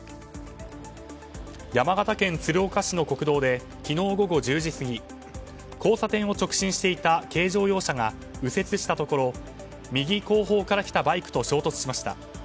山形県鶴岡市の国道で昨日午後１０時過ぎ交差点を直進していた軽乗用車が右折したところ、右後方から来たバイクと衝突しました。